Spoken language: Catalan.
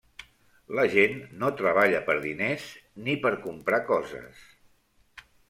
La gent no treballa per diners ni per comprar coses.